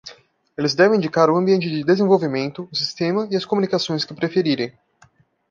Eles devem indicar o ambiente de desenvolvimento, o sistema e as comunicações que preferirem.